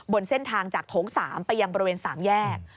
บนเส้นทางจากโถง๓ไปยังบริเวณ๓แยก